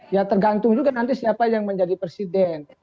ya tergantung juga nanti siapa yang menjadi presiden